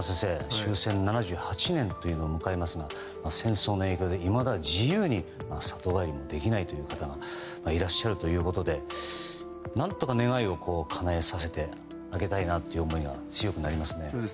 終戦７８年を迎えますが戦争の影響でいまだ自由に里帰りできない方がいらっしゃるということで何とか願いをかなえさせてあげたいなという思いが強くなりますね。